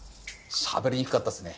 しゃべりにくかったっすね何か。